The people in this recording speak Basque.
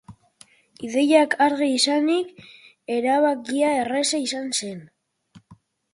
Ideiak argi izanik, erabakia erraza izan zen.